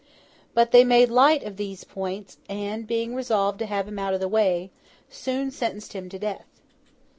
But they made light of these points; and, being resolved to have him out of the way, soon sentenced him to death.